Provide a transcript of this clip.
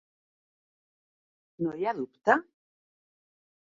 No hi ha dubte?